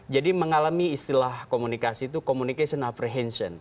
jadi mengalami istilah komunikasi itu communication apprehension